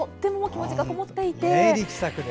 気持ちがこもっていて。